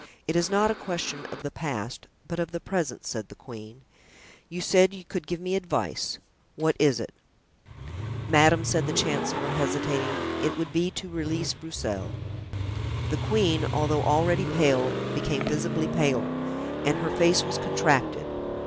"It is not a question of the past, but of the present," said the queen; "you said you could give me advice—what is it?" "Madame," said the chancellor, hesitating, "it would be to release Broussel." The queen, although already pale, became visibly paler and her face was contracted.